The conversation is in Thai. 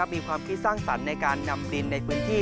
มีความคิดสร้างสรรค์ในการนำดินในพื้นที่